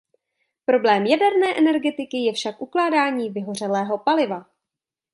Problémem jaderné energetiky je však ukládání vyhořelého paliva.